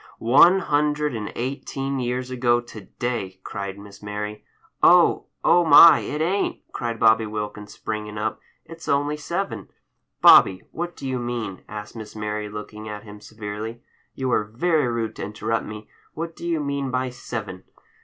"One hundred and eighteen years ago to day," cried Miss Mary— "Oh! oh my, it ain't!" cried Bobby Wilkins, springing up. "It's only seven." "Bobby, what do you mean?" asked Miss Mary, looking at him severely. "You are very rude to interrupt me. What do you mean by 'seven?